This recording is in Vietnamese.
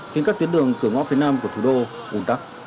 khiến các tuyến đường cửa ngõ phía nam của thủ đô ủn tắc